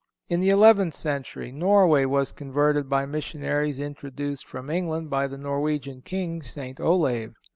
In the eleventh century Norway was converted by missionaries introduced from England by the Norwegian King, St. Olave.